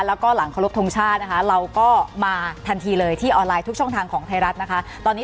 แล้วก็หลังขอรบทรงชาตินะคะ